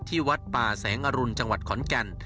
วัดป่าแสงอรุณจังหวัดขอนแก่น